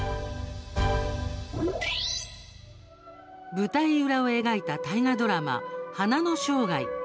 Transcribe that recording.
舞台裏を描いた大河ドラマ「花の生涯」。